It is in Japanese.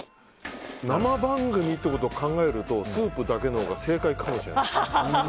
生番組ってことを考えるとスープだけのほうが正解かもしれない。